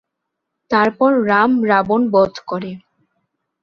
তারপর রাম রাবণ বধ করে।